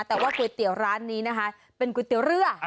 แต่ว่าก๋วยเตี๋ยวร้านนี้นะคะเป็นก๋วยเตี๋ยวเรือ